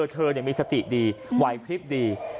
เธอเนี่ยมีสติดีไวพลิบดี